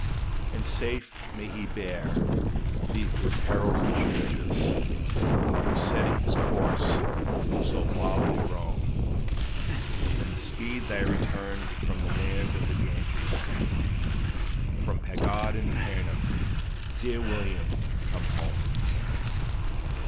And safe may he bear thee through perils and changes Besetting his course, who so widely would roam, Then speed thy return from the land of the Ganges, From pagod and painim! Dear William, come home.